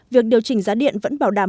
việc điều chỉnh giá điện vẫn bảo đảm